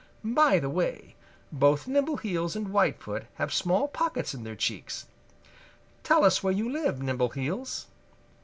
By the way, both Nimbleheels and Whitefoot have small pockets in their cheeks. Tell us where you live, Nimbleheels."